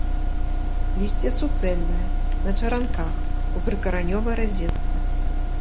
Лісце суцэльнае, на чаранках, у прыкаранёвай разетцы.